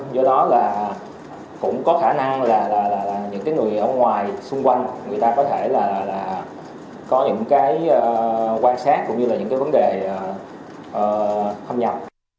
do đó là cũng có khả năng là những cái người ở ngoài xung quanh người ta có thể là có những cái quan sát cũng như là những cái vấn đề thâm nhập